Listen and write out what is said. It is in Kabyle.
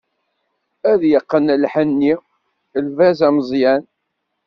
Ad yeqqen lḥenni, lbaz ameẓyan.